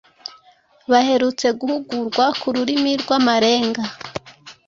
baherutse guhugurwa ku rurimi rw’amarenga